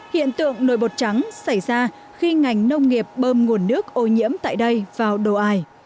hiện tượng nồi bột trắng xảy ra khi ngành nông nghiệp bơm nguồn nước ô nhiễm tại đây vào đồ ải